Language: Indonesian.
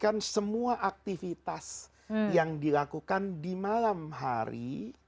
jadi semua aktivitas yang dilakukan di malam hari